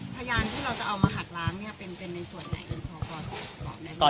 พยานที่เราจะเอามาหักล้างเนี้ยเป็นเป็นในส่วนไหนกันพอก่อน